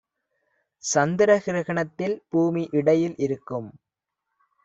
சந்திரகிரகணத்தில் பூமி இடையில் இருக்கும்